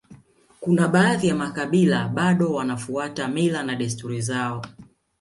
Kuna baadhi ya makabila bado wanafuata mila na desturi zao